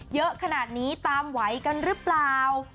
เยอะขนาดนี้ตามไหวกันหรือเปล่า